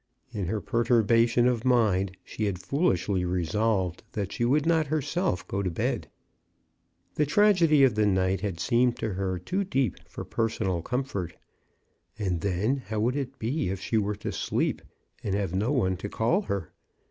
In her perturbation of mind she had foolishly resolved that she would not her self go to bed. The tragedy of the night had seemed to her too deep for personal comfort. And then, how would it be were she to sleep, and have no one to call her?